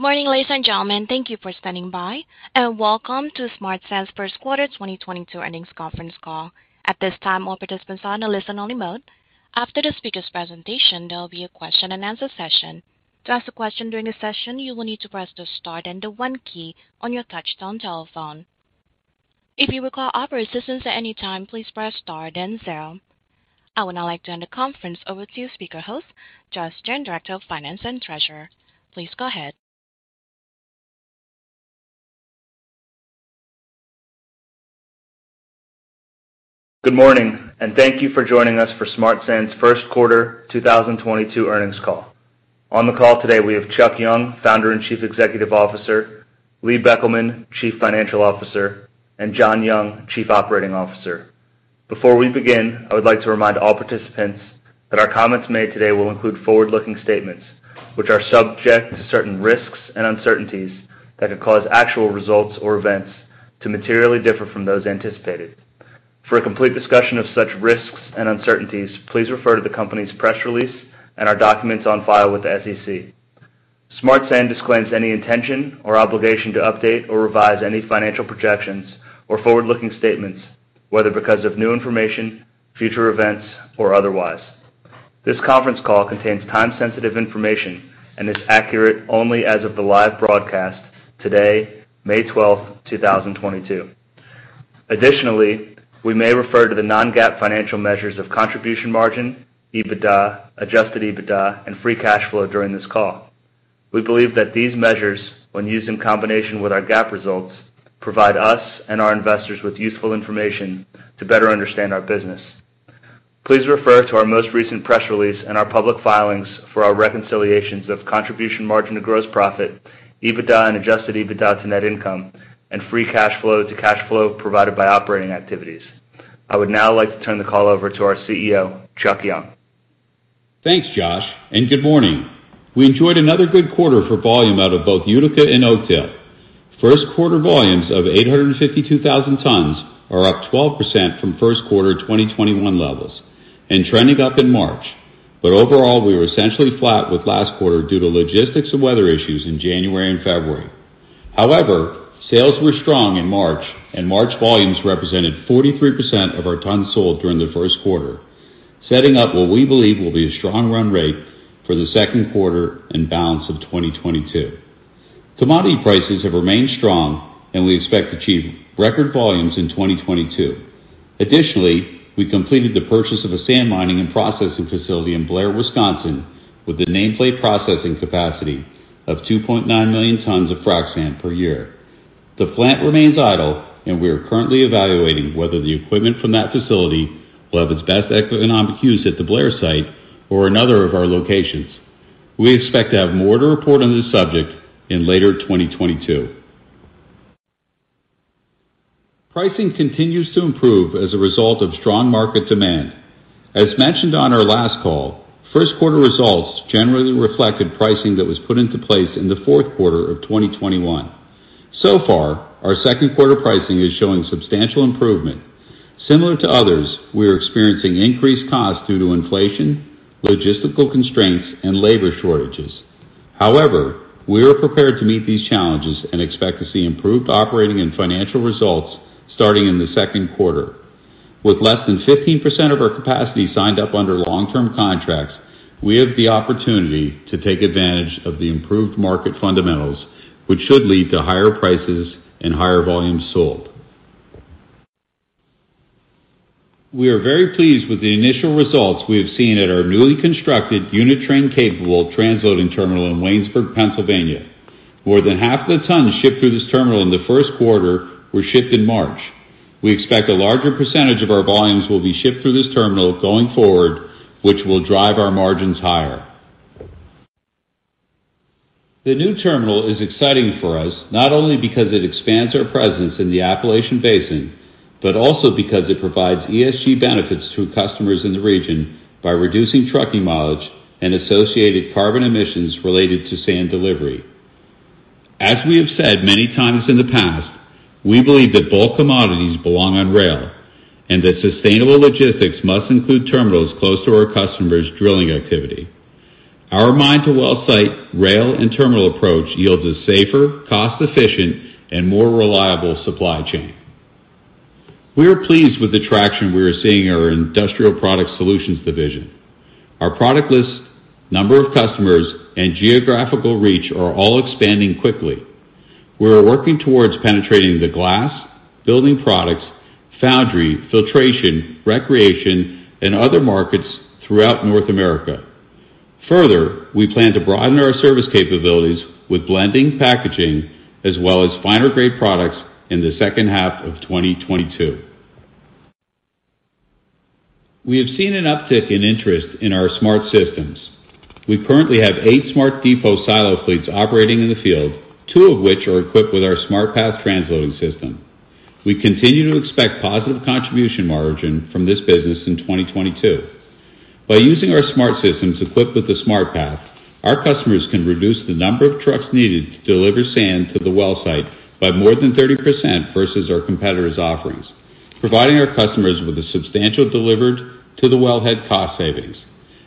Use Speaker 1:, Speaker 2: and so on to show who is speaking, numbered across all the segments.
Speaker 1: Good morning, ladies and gentlemen. Thank you for standing by, and welcome to Smart Sand's first quarter 2022 earnings conference call. At this time, all participants are on a listen-only mode. After the speaker's presentation, there'll be a question and answer session. To ask a question during the session, you will need to press the star, then the one key on your touch-tone telephone. If you require operator assistance at any time, please press star then zero. I would now like to hand the conference over to speaker host, Josh Jayne, Director of Finance and Treasurer. Please go ahead.
Speaker 2: Good morning, and thank you for joining us for Smart Sand's first quarter 2022 earnings call. On the call today, we have Chuck Young, Founder and Chief Executive Officer, Lee Beckelman, Chief Financial Officer, and John Young, Chief Operating Officer. Before we begin, I would like to remind all participants, that our comments made today will include forward-looking statements, which are subject to certain risks and uncertainties, that could cause actual results or events to materially differ from those anticipated. For a complete discussion of such risks and uncertainties, please refer to the company's press release and our documents on file with the SEC. Smart Sand disclaims any intention or obligation to update or revise any financial projections or forward-looking statements, whether because of new information, future events, or otherwise. This conference call contains time-sensitive information, and is accurate only as of the live broadcast today, May 12, 2022. Additionally, we may refer to the non-GAAP financial measures of contribution margin, EBITDA, adjusted EBITDA, and free cash flow during this call. We believe that these measures, when used in combination with our GAAP results, provide us, and our investors with useful information to better understand our business. Please refer to our most recent press release, and our public filings for our reconciliations of contribution margin to gross profit, EBITDA and adjusted EBITDA to net income, and free cash flow to cash flow provided by operating activities. I would now like to turn the call over to our CEO, Chuck Young.
Speaker 3: Thanks, Josh, and good morning. We enjoyed another good quarter for volume out of both Utica and Oakdale. First quarter volumes of 852,000 tons are up 12% from first quarter 2021 levels, and trending up in March. Overall, we were essentially flat with last quarter due to logistics and weather issues in January and February. However, sales were strong in March, and March volumes represented 43% of our tons sold during the first quarter, setting up what we believe will be a strong run rate for the second quarter and balance of 2022. Commodity prices have remained strong and we expect to achieve record volumes in 2022. Additionally, we completed the purchase of a sand mining and processing facility in Blair, Wisconsin, with the nameplate processing capacity of 2.9 million tons of frac sand per year. The plant remains idle, and we are currently evaluating whether the equipment from that facility will have its best economic use at the Blair site or another of our locations. We expect to have more to report on this subject in later 2022. Pricing continues to improve as a result of strong market demand. As mentioned on our last call, first quarter results generally reflected pricing that was put into place in the fourth quarter of 2021. So far, our second quarter pricing is showing substantial improvement. Similar to others, we are experiencing increased costs due to inflation, logistical constraints, and labor shortages. However, we are prepared to meet these challenges and expect to see improved operating and financial results starting in the second quarter. With less than 15% of our capacity signed up under long-term contracts, we have the opportunity to take advantage of the improved market fundamentals, which should lead to higher prices, and higher volumes sold. We are very pleased with the initial results we have seen at our newly constructed unit train capable transloading terminal in Waynesburg, Pennsylvania. More than half the tons shipped through this terminal in the first quarter, were shipped in March. We expect a larger percentage of our volumes will be shipped through this terminal going forward, which will drive our margins higher. The new terminal is exciting for us, not only because it expands our presence in the Appalachian Basin, but also because it provides ESG benefits to customers in the region by reducing trucking mileage and associated carbon emissions related to sand delivery. As we have said many times in the past, we believe that bulk commodities belong on rail, and that sustainable logistics must include terminals close to our customers' drilling activity. Our mine-to-well site rail and terminal approach yields a safer, cost-efficient, and more reliable supply chain. We are pleased with the traction we are seeing in our Industrial Product Solutions division. Our product list, number of customers, and geographical reach are all expanding quickly. We are working towards penetrating the glass, building products, foundry, filtration, recreation, and other markets throughout North America. Further, we plan to broaden our service capabilities with blending, packaging, as well as finer grade products in the second half of 2022. We have seen an uptick in interest in our SmartSystems. We currently have eight SmartDepot silo fleets operating in the field, two of which are equipped with our SmartPath transloading system. We continue to expect positive contribution margin from this business in 2022. By using our SmartSystems equipped with the SmartPath, our customers can reduce the number of trucks needed to deliver sand to the well site by more than 30% versus our competitors' offerings. Providing our customers with a substantial delivered to the wellhead cost savings.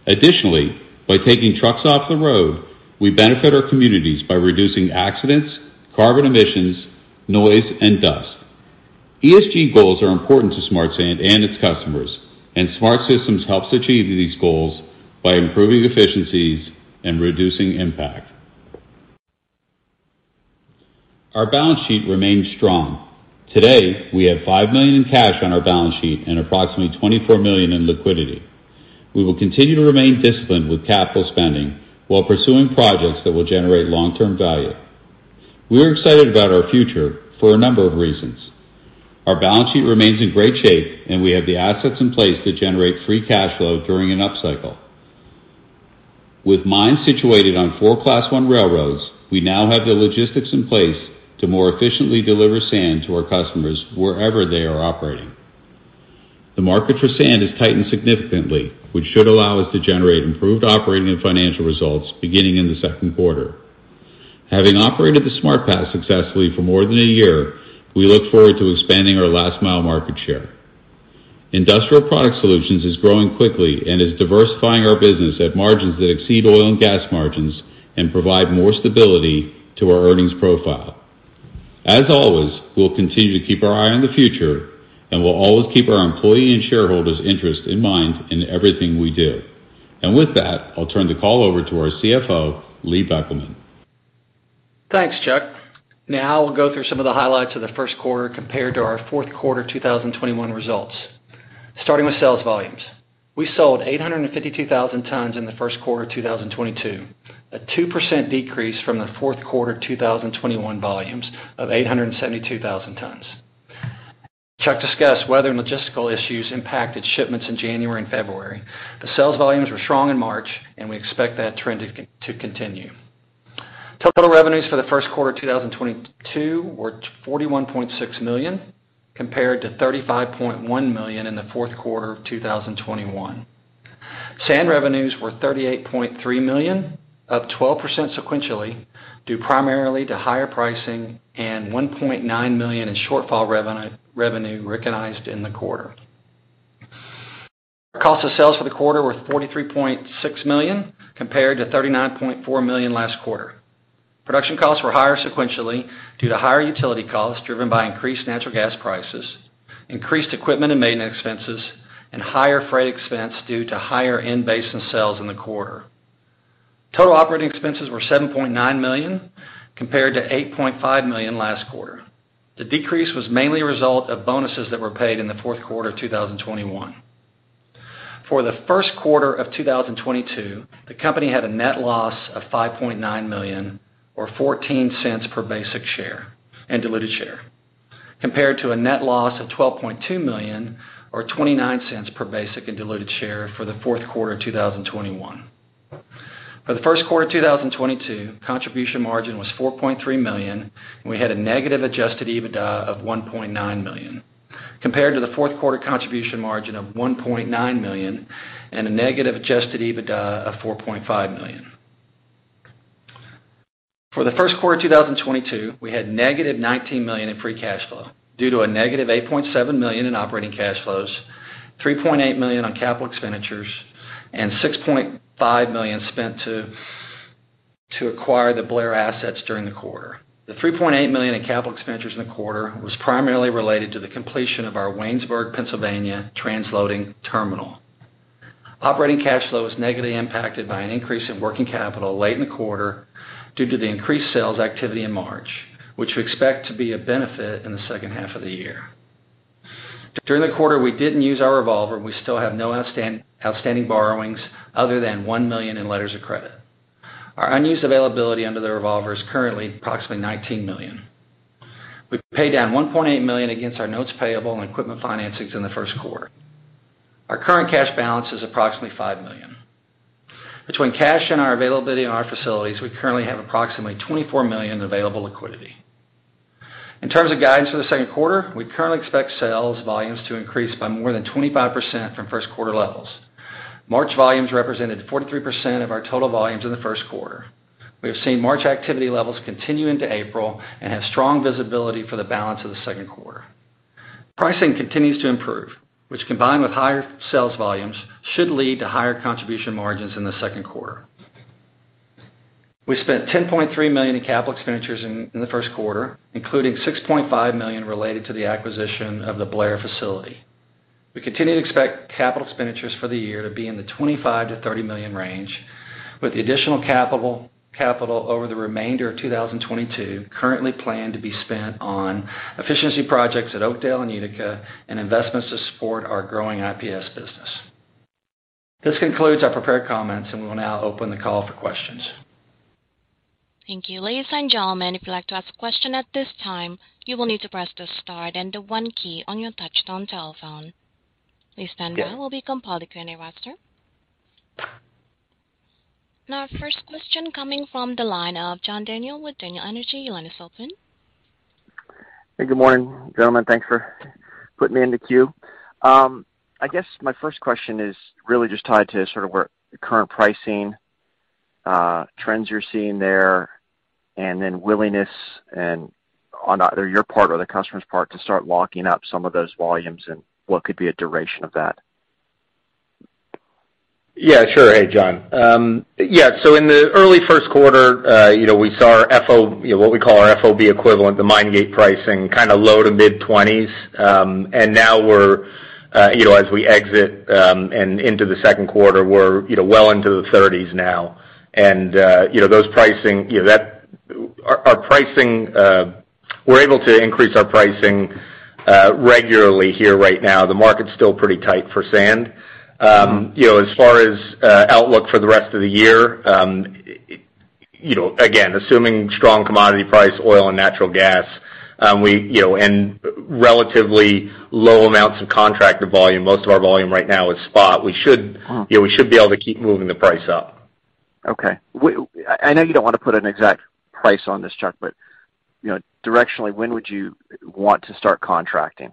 Speaker 3: Additionally, by taking trucks off the road, we benefit our communities by reducing accidents, carbon emissions, noise, and dust. ESG goals are important to Smart Sand and its customers, and SmartSystems helps achieve these goals by improving efficiencies and reducing impact. Our balance sheet remains strong. Today, we have $5 million in cash on our balance sheet and approximately $24 million in liquidity. We will continue to remain disciplined with capital spending while pursuing projects that will generate long-term value. We're excited about our future for a number of reasons. Our balance sheet remains in great shape, and we have the assets in place to generate free cash flow during an upcycle. With mines situated on four Class I railroads, we now have the logistics in place to more efficiently deliver sand to our customers wherever they are operating. The market for sand has tightened significantly, which should allow us to generate improved operating and financial results beginning in the second quarter. Having operated the SmartPath successfully for more than a year, we look forward to expanding our last-mile market share. Industrial Product Solutions is growing quickly and is diversifying our business at margins that exceed oil and gas margins and provide more stability to our earnings profile. As always, we'll continue to keep our eye on the future, and we'll always keep our employee and shareholders' interest in mind in everything we do. With that, I'll turn the call over to our CFO, Lee Beckelman.
Speaker 4: Thanks, Chuck. Now I'll go through some of the highlights of the first quarter compared to our fourth quarter 2021 results. Starting with sales volumes. We sold 852,000 tons in the first quarter of 2022, a two percent decrease from the fourth quarter 2021 volumes of 872,000 tons. Chuck discussed weather and logistical issues impacted shipments in January and February. The sales volumes were strong in March, and we expect that trend to continue. Total revenues for the first quarter of 2022 were $41.6 million, compared to $35.1 million in the fourth quarter of 2021. Sand revenues were $38.3 million, up 12% sequentially, due primarily to higher pricing and $1.9 million in shortfall revenue recognized in the quarter. Cost of sales for the quarter were $43.6 million, compared to $39.4 million last quarter. Production costs were higher sequentially due to higher utility costs driven by increased natural gas prices, increased equipment and maintenance expenses, and higher freight expense due to higher in-basin sales in the quarter. Total operating expenses were $7.9 million, compared to $8.5 million last quarter. The decrease was mainly a result of bonuses that were paid in the fourth quarter of 2021. For the first quarter of 2022, the company had a net loss of $5.9 million or $0.14 per basic share and diluted share, compared to a net loss of $12.2 million or $0.29 per basic and diluted share for the fourth quarter of 2021. For the first quarter of 2022, contribution margin was $4.3 million, and we had a negative adjusted EBITDA of $1.9 million, compared to the fourth quarter contribution margin of $1.9 million and a negative adjusted EBITDA of $4.5 million. For the first quarter of 2022, we had negative $19 million in free cash flow due to a negative $8.7 million in operating cash flows, $3.8 million on capital expenditures, and $6.5 million spent to acquire the Blair assets during the quarter. The $3.8 million in capital expenditures in the quarter was primarily related to the completion of our Waynesburg, Pennsylvania transloading terminal. Operating cash flow was negatively impacted by an increase in working capital late in the quarter due to the increased sales activity in March, which we expect to be a benefit in the second half of the year. During the quarter, we didn't use our revolver. We still have no outstanding borrowings other than $1 million in letters of credit. Our unused availability under the revolver is currently approximately $19 million. We paid down $1.8 million against our notes payable and equipment financings in the first quarter. Our current cash balance is approximately $5 million. Between cash and our availability in our facilities, we currently have approximately $24 million in available liquidity. In terms of guidance for the second quarter, we currently expect sales volumes to increase by more than 25% from first quarter levels. March volumes represented 43% of our total volumes in the first quarter. We have seen March activity levels continue into April and have strong visibility for the balance of the second quarter. Pricing continues to improve, which combined with higher sales volumes, should lead to higher contribution margins in the second quarter. We spent $10.3 million in capital expenditures in the first quarter, including $6.5 million related to the acquisition of the Blair facility. We continue to expect capital expenditures for the year to be in the $25 million-$30 million range, with the additional capital over the remainder of 2022 currently planned to be spent on efficiency projects at Oakdale and Utica and investments to support our growing IPS business. This concludes our prepared comments, and we will now open the call for questions.
Speaker 1: Thank you. Ladies and gentlemen, if you'd like to ask a question at this time, you will need to press the star then the one key on your touchtone telephone. Please stand by. We'll be compiling the Q&A roster. Our first question coming from the line of John Daniel with Daniel Energy Partners. Your line is open.
Speaker 5: Hey, good morning, gentlemen. Thanks for putting me in the queue. I guess my first question is really just tied to sort of where the current pricing trends you're seeing there, and then willingness and on either your part or the customer's part to start locking up some of those volumes and what could be a duration of that?
Speaker 6: Yeah, sure. Hey, John. Yeah, so in the early first quarter, you know, we saw our FOB equivalent, what we call the mine gate pricing kind of low- to mid-20s. Now we're, you know, as we exit and into the second quarter, we're, you know, well into the 30s now. You know, those pricing, you know, our pricing, we're able to increase our pricing regularly here right now. The market's still pretty tight for sand. You know, as far as outlook for the rest of the year, you know, again, assuming strong commodity price, oil and natural gas, we, you know, and relatively low amounts of contracted volume, most of our volume right now is spot. We should.
Speaker 5: Uh-huh.
Speaker 6: You know, we should be able to keep moving the price up.
Speaker 5: Okay. I know you don't wanna put an exact price on this, Chuck, but, you know, directionally, when would you want to start contracting?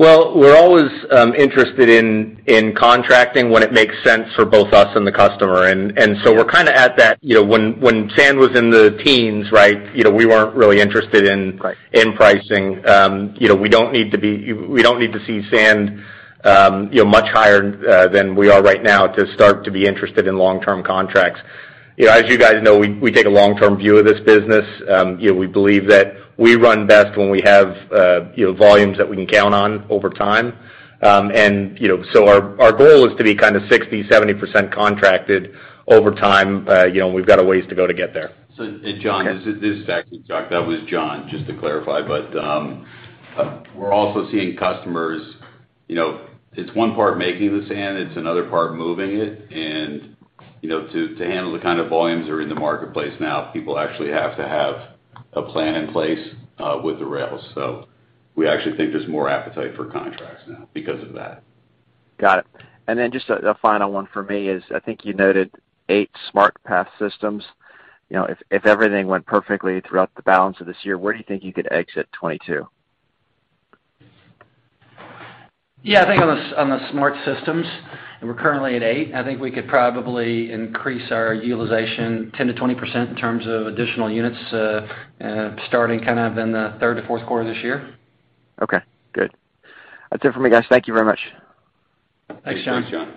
Speaker 6: Well, we're always interested in contracting when it makes sense for both us, and the customer. And so we're kinda at that. You know, when sand was in the teens, right, you know, we weren't really interested in pricing. We don't need to see sand much higher than we are right now to start to be interested in long-term contracts. You know, as you guys know, we take a long-term view of this business. You know, we believe that we run best when we have you know, volumes that we can count on over time. You know, our goal is to be kind of 60, 70% contracted over time. You know, we've got a ways to go to get there.
Speaker 3: John, this is actually Chuck. That was John, just to clarify. We're also seeing customers, you know, it's one part making the sand, it's another part moving it. You know, to handle the kind of volumes that are in the marketplace now, people actually have to have a plan in place with the rails. We actually think there's more appetite for contracts now because of that.
Speaker 5: Got it. Just a final one for me is, I think you noted Eight SmartPath systems. You know, if everything went perfectly throughout the balance of this year, where do you think you could exit 2022?
Speaker 4: I think on the SmartSystems, we're currently at eight. I think we could probably increase our utilization 10%-20% in terms of additional units, starting kind of in the third to fourth quarter this year.
Speaker 5: Okay, good. That's it for me, guys. Thank you very much.
Speaker 4: Thanks, John.
Speaker 3: Thanks, John.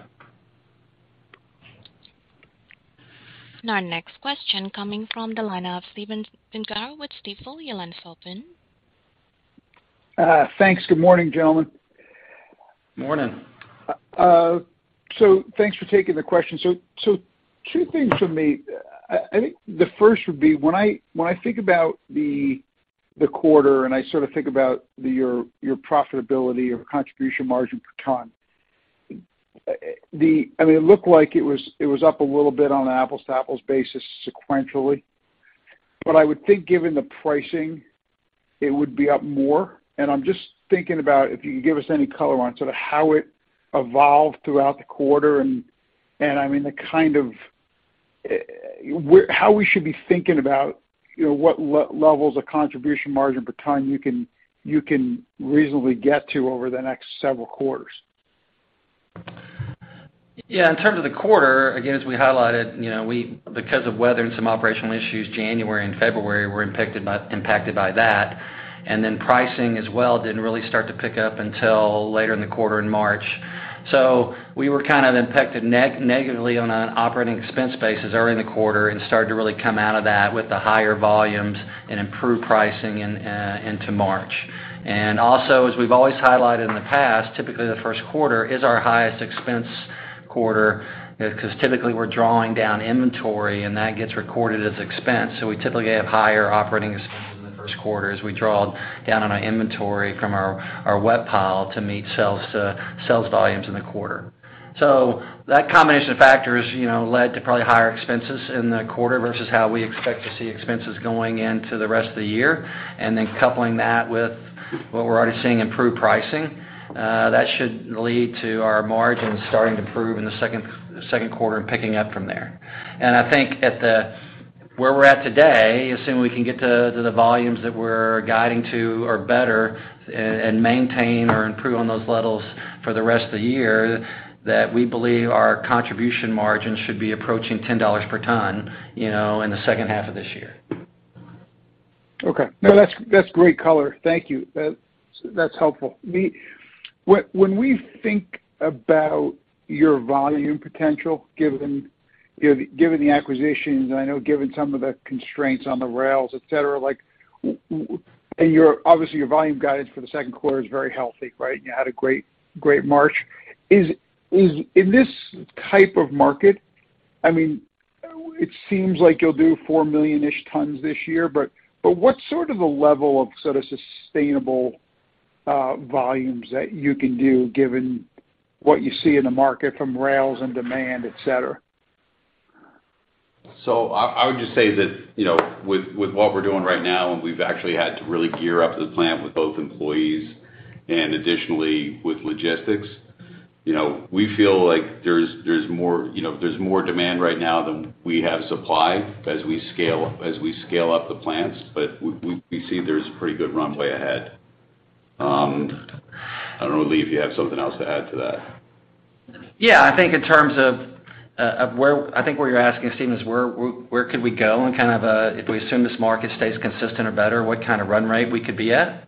Speaker 1: Our next question coming from the line of Stephen Gengaro with Stifel Nicolaus.
Speaker 7: Thanks. Good morning, gentlemen.
Speaker 4: Morning.
Speaker 7: Thanks for taking the question. Two things from me. I think the first would be when I think about the quarter and I sort of think about your profitability or contribution margin per ton. I mean, it looked like it was up a little bit on an apples-to-apples basis sequentially. I would think given the pricing, it would be up more. I'm just thinking about if you could give us any color on sort of how it evolved throughout the quarter and I mean, the kind of how we should be thinking about, you know, what levels of contribution margin per ton you can reasonably get to over the next several quarters.
Speaker 4: Yeah. In terms of the quarter, again, as we highlighted, you know, we because of weather and some operational issues, January and February were impacted by that. Pricing as well didn't really start to pick up until later in the quarter in March. We were kind of impacted negatively on an operating expense basis early in the quarter and started to really come out of that with the higher volumes and improved pricing into March. Also, as we've always highlighted in the past, typically the first quarter is our highest expense quarter, 'cause typically we're drawing down inventory, and that gets recorded as expense. We typically have higher operating expenses in the first quarter as we draw down on our inventory from our wet pile to meet sales volumes in the quarter. That combination of factors, you know, led to probably higher expenses in the quarter versus how we expect to see expenses going into the rest of the year. Coupling that with what we're already seeing improved pricing, that should lead to our margins starting to improve in the second quarter and picking up from there. I think where we're at today, assuming we can get to the volumes that we're guiding to or better and maintain or improve on those levels for the rest of the year, that we believe our contribution margins should be approaching $10 per ton, you know, in the second half of this year.
Speaker 7: Okay. No, that's great color. Thank you. That's helpful. When we think about your volume potential, given, you know, given the acquisitions, and I know given some of the constraints on the rails, et cetera, like. Your, obviously, your volume guidance for the second quarter is very healthy, right? You had a great March. In this type of market, I mean, it seems like you'll do 4 million-ish tons this year, but what's sort of the level of sort of sustainable volumes that you can do given what you see in the market from rails and demand, et cetera?
Speaker 3: I would just say that, you know, with what we're doing right now, and we've actually had to really gear up the plant with both employees and additionally with logistics. You know, we feel like there's more demand right now than we have supply as we scale up the plants. We see there's pretty good runway ahead. I don't know, Lee, if you have something else to add to that.
Speaker 4: Yeah. I think where you're asking, Stephen, is where we could go and kind of if we assume this market stays consistent or better, what kind of run rate we could be at.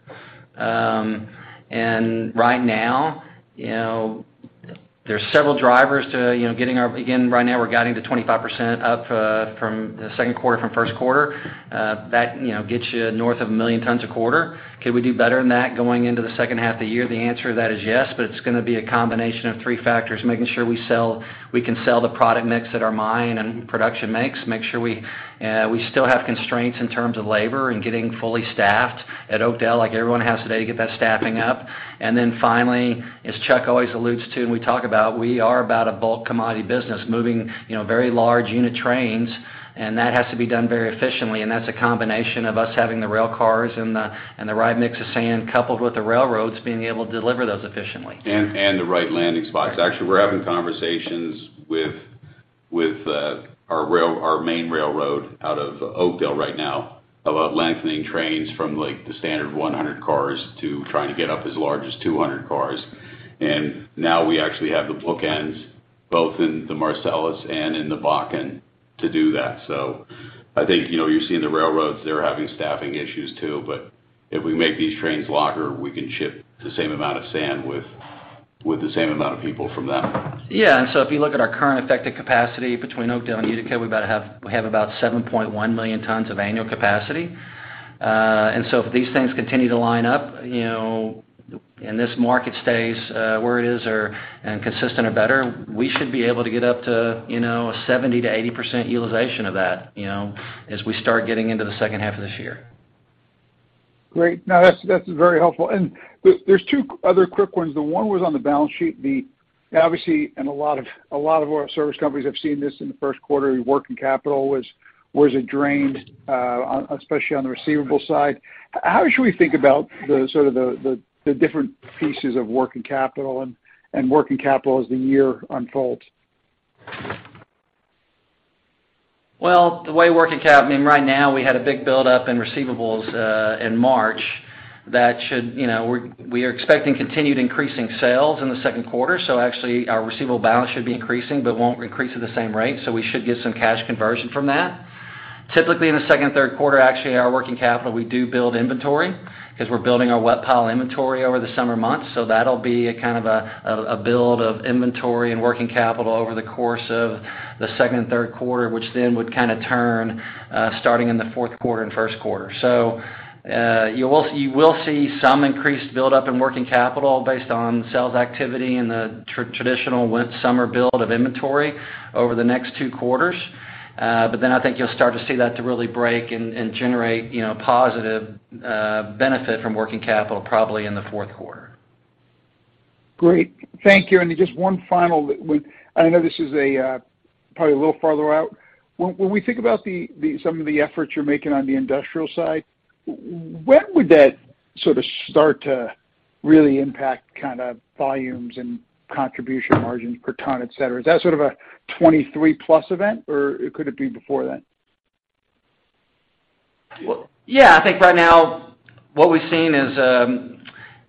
Speaker 4: Right now, you know, there's several drivers to, you know, again right now we're guiding to 25% up from the second quarter from first quarter. That, you know, gets you north of 1 million tons a quarter. Could we do better than that going into the second half of the year? The answer to that is yes, but it's gonna be a combination of three factors: making sure we can sell the product mix at our mine and production mix, make sure we still have constraints in terms of labor and getting fully staffed at Oakdale like everyone has today to get that staffing up. Then finally, as Chuck always alludes to, and we talk about, we are about a bulk commodity business moving, you know, very large unit trains, and that has to be done very efficiently, and that's a combination of us having the rail cars and the right mix of sand coupled with the railroads being able to deliver those efficiently.
Speaker 3: The right landing spots. Actually, we're having conversations with our rail, our main railroad out of Oakdale right now about lengthening trains from, like, the standard 100 cars to trying to get up as large as 200 cars. We actually have the bookends both in the Marcellus and in the Bakken to do that. I think, you know, you're seeing the railroads. They're having staffing issues too. If we make these trains longer, we can ship the same amount of sand with the same amount of people from that.
Speaker 4: Yeah. If you look at our current effective capacity between Oakdale and Utica, we have about 7.1 million tons of annual capacity. If these things continue to line up, you know, and this market stays where it is or and consistent or better, we should be able to get up to, you know, 70%-80% utilization of that, you know, as we start getting into the second half of this year.
Speaker 7: Great. No, that's very helpful. There's two other quick ones. The one was on the balance sheet. Obviously, a lot of our service companies have seen this in the first quarter. Working capital was drained, especially on the receivables side. How should we think about the sort of the different pieces of working capital and working capital as the year unfolds?
Speaker 4: Right now, we had a big buildup in receivables in March. That should, you know, we are expecting continued increasing sales in the second quarter. Actually, our receivable balance should be increasing, but won't increase at the same rate, so we should get some cash conversion from that. Typically, in the second and third quarter, actually, our working capital, we do build inventory because we're building our wet pile inventory over the summer months. That'll be a kind of a build of inventory and working capital over the course of the second and third quarter, which then would kinda turn starting in the fourth quarter and first quarter. You will see some increased buildup in working capital based on sales activity and the traditional summer build of inventory over the next two quarters. I think you'll start to see it start to really break and generate, you know, positive benefit from working capital probably in the fourth quarter.
Speaker 7: Great. Thank you. Just one final one. I know this is a probably a little farther out. When we think about the some of the efforts you're making on the industrial side, when would that sort of start to really impact kinda volumes and contribution margins per ton, et cetera? Is that sort of a 23+ event, or could it be before that?
Speaker 4: Well, yeah. I think right now what we've seen is,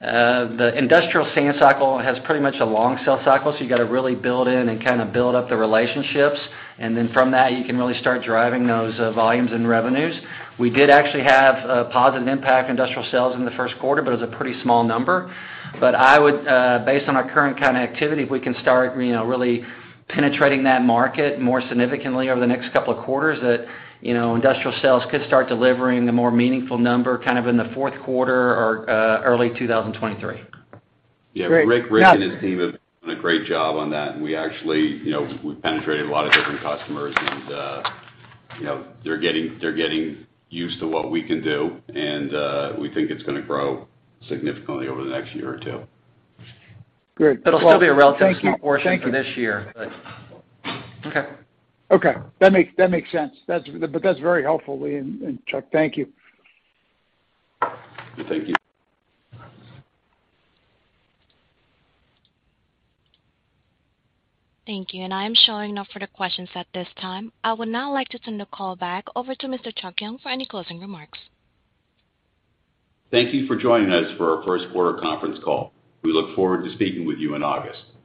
Speaker 4: the industrial sand cycle has pretty much a long sales cycle, so you gotta really build in and kinda build up the relationships. Then from that, you can really start driving those volumes and revenues. We did actually have a positive impact industrial sales in the first quarter, but it was a pretty small number. I would, based on our current kind of activity, if we can start, you know, really penetrating that market more significantly over the next couple of quarters, that, you know, industrial sales could start delivering a more meaningful number kind of in the fourth quarter or, early 2023.
Speaker 7: Great.
Speaker 3: Yeah. Rick and his team have done a great job on that, and we actually, you know, we've penetrated a lot of different customers and, you know, they're getting used to what we can do and, we think it's gonna grow significantly over the next year or two.
Speaker 7: Great.
Speaker 4: It'll still be a relatively small portion for this year.
Speaker 7: Okay. That makes sense. That's very helpful, Lee and Chuck, thank you.
Speaker 3: Thank you.
Speaker 1: Thank you. I'm showing no further questions at this time. I would now like to turn the call back over to Mr. Chuck Young for any closing remarks.
Speaker 3: Thank you for joining us for our first quarter conference call. We look forward to speaking with you in August.